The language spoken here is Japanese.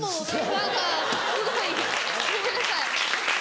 何かすごい。ごめんなさい。